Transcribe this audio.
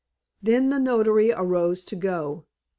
Then the notary arose to go.